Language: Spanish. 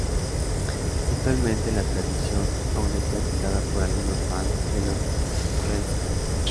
Actualmente la tradición aún es practicada por algunos fans de los Redskins.